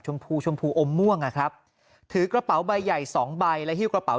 ชมพูชมพูอมม่วงนะครับถือกระเป๋าใบใหญ่๒ใบและผิวกระเป๋า